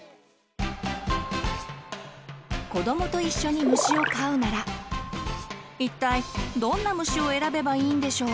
子どもと一緒に虫を飼うなら一体どんな虫を選べばいいんでしょう？